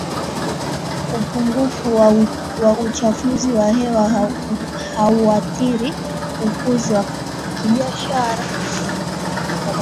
upungufu wa uchafuzi wa hewa hauathiri ukuzi wa kibiashara